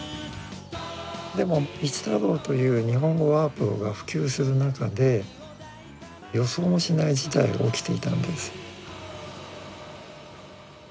でも一太郎という日本語ワープロが普及する中で予想もしない事態が起きていたんです。